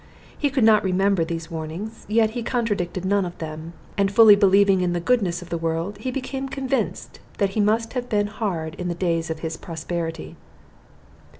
He could not remember these warnings, yet he contradicted none of them; and fully believing in the goodness of the world, he became convinced that he must have been hard in the days of his prosperity.